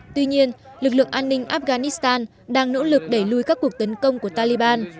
tuy nhiên lực lượng an ninh afghanistan đang nỗ lực đẩy lùi các cuộc tấn công của taliban